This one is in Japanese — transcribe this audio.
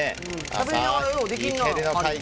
しゃべりながらよくできるな。